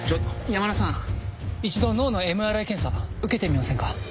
山田さん一度脳のＭＲＩ検査受けてみませんか？